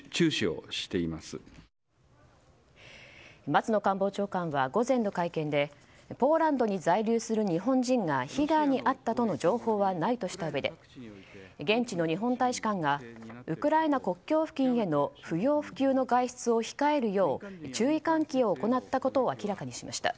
松野官房長官は午前の会見でポーランドに在留する日本人が被害に遭ったとの情報はないとしたうえで現地の日本大使館がウクライナ国境付近への不要不急の外出を控えるよう注意喚起を行ったことを明らかにしました。